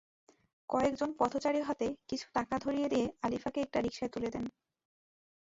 কয়েকজন পথচারী হাতে কিছু টাকা ধরিয়ে দিয়ে আলিফাকে একটি রিকশায় তুলে দেন।